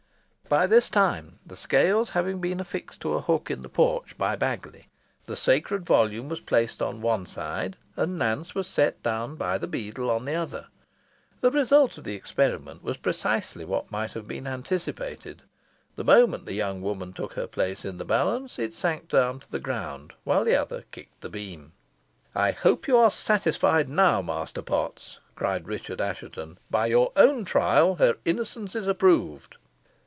By this time, the scales having been affixed to a hook in the porch by Baggiley, the sacred volume was placed on one side, and Nance set down by the beadle on the other. The result of the experiment was precisely what might have been anticipated the moment the young woman took her place in the balance, it sank down to the ground, while the other kicked the beam. "I hope you are satisfied now, Master Potts," cried Richard Assheton. "By your own trial her innocence is approved."